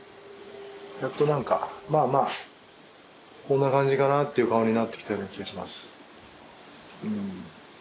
やっとなんかまあまあこんな感じかなっていう顔になってきたような気がします。